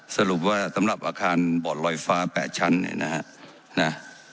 สรุปว่าสำหรับอาคารบอร์ดลอยฟ้า๘ชั้นเนี่ยนะฮะ